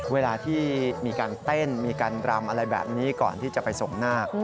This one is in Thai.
เวลาที่มีการเต้นมีการรำอะไรแบบนี้ก่อนที่จะไปส่งนาค